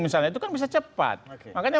misalnya itu kan bisa cepat makanya